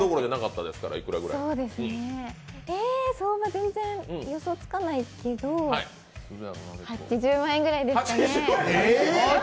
全然予想つかないけど８０万円ぐらいですかね。